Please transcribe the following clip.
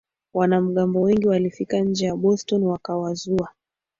Wanamgambo wengi walifika nje ya Boston wakawazuia